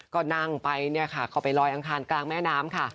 ก็นั่งไปเนี่ยค่ะเข้าไปลอยอังคารกลางแม่น้ำค่ะ